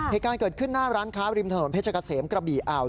ในการเกิดขึ้นหน้าร้านค้าริมถนนเพชรกะเสมกระบี่อ่าว